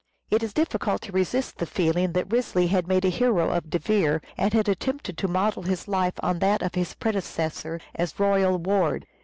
It is difficult to resist the feeling that Wriothesley had made a hero of De Vere, and had attempted to model his life on that of his predecessor as royal ward.